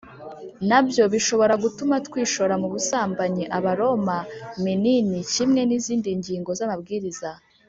na byo bishobora gutuma twishora mu busambanyi Abaroma minini kimwe n izindi ngingo z amabwiriza